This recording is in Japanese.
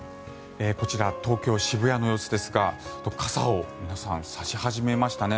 こちら、東京・渋谷の様子ですが傘を皆さん差し始めましたね。